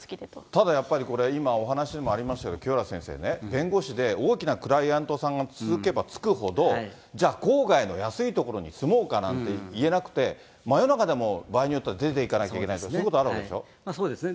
ただやっぱり、これ、今お話にもありましたとおり、清原先生ね、弁護士で大きなクライアントさんがつけばつくほど、じゃあ、郊外の安い所に住もうかなんていえなくて、真夜中でも場合によっては出ていかなきゃいけないとか、そういうそうですね。